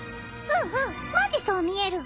うんうんマジそう見える。